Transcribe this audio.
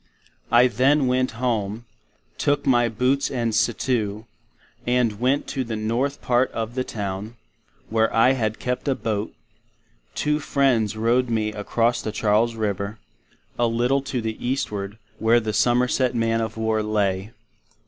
I then went Home, took my Boots and Surtout, and went to the North part of the Town, Where I had kept a Boat; two friends rowed me across Charles River, a little to the eastward where the Somerset Man of War lay.